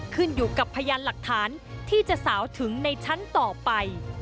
ขึ้นอยู่กับพยานหลักฐานที่จะสาวถึงในชั้นต่อไป